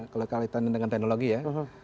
kalau kaitannya dengan teknologi ya